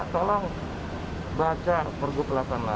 tolong baca pergub delapan puluh delapan